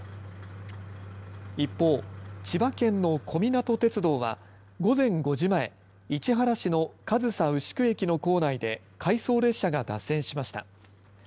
一方、千葉県の小湊鐵道は午前５時前、市原市の上総牛久駅の構内で回送列車が脱線しました。